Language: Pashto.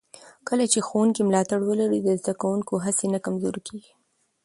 کله چې ښوونکي ملاتړ ولري، د زده کوونکو هڅې نه کمزورې کېږي.